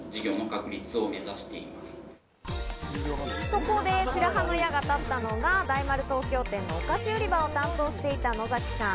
そこで白羽の矢が立ったのが大丸東京店のお菓子売り場を担当していた野崎さん。